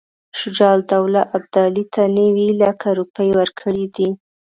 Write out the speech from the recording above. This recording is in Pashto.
شجاع الدوله ابدالي ته نیوي لکه روپۍ ورکړي دي.